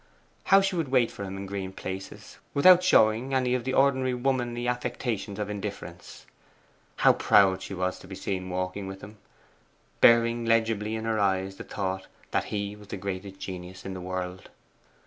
How she would wait for him in green places, without showing any of the ordinary womanly affectations of indifference! How proud she was to be seen walking with him, bearing legibly in her eyes the thought that he was the greatest genius in the world!